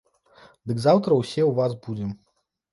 Дык заўтра ўсе ў вас будзем.